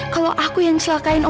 kalau aku yang selalu menangisnya